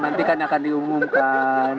nanti kan akan diumumkan